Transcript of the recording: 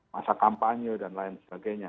masa kampanye dan lain sebagainya